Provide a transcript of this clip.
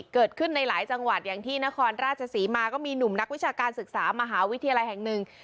เกิดขึ้นในหลายจังหวัดอย่างที่นครราชศรีมาก็มีหนุ่มนักวิชาการศึกษามหาวิทยาลัยแห่งหนึ่ง